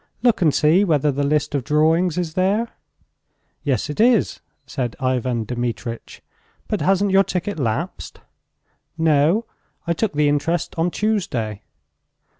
"Look and see whether the list of drawings is there." "Yes, it is," said Ivan Dmitritch; "but hasn't your ticket lapsed?" "No; I took the interest on Tuesday."